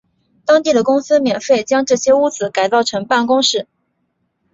当地的公司免费地将这些屋子改造成办公室。